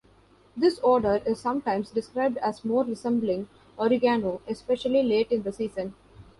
This odor is sometimes described as more resembling oregano, especially late in the season.